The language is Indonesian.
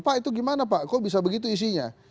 pak itu gimana pak kok bisa begitu isinya